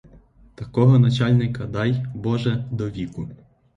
Такого начальника дай, боже, до віку.